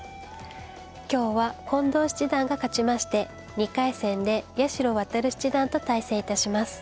今日は近藤七段が勝ちまして２回戦で八代弥七段と対戦致します。